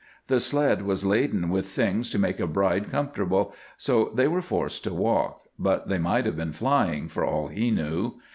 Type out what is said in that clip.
The sled was laden with things to make a bride comfortable, so they were forced to walk, but they might have been flying, for all he knew.